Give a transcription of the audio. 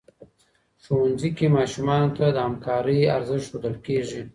ښوونځي کي ماشومانو ته د همکارۍ ارزښت ښودل کيږي.